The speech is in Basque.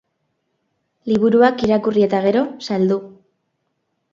Liburuak irakurri eta gero, saldu.